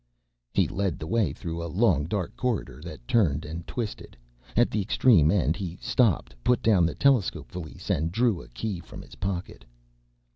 He led the way through a long, dark corridor that turned and twisted. At the extreme end he stopped, put down the telescope valise, and drew a key from his pocket.